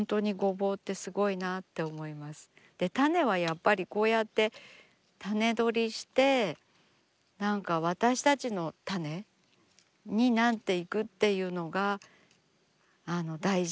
種はやっぱりこうやって種取りして何か私たちの種になっていくっていうのが大事なんですね。